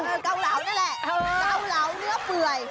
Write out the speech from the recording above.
เออกั่วเฬานั่นแหละเก้าเฬานื้อเปื่อย